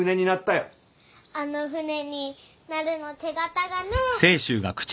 あの船になるの手形がね。